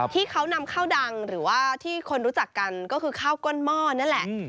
ที่เขานำข้าวดังหรือว่าที่คนรู้จักกันก็คือข้าวก้นหม้อนั่นแหละ